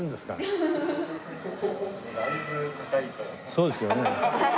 そうですよね。